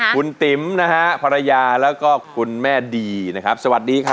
คุณติ๋มนะฮะภรรยาแล้วก็คุณแม่ดีนะครับสวัสดีครับ